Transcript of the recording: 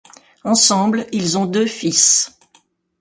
Ensemble, ils ont deux fils.